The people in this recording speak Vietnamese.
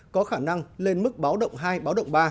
có khả năng lên mức báo động hai báo động ba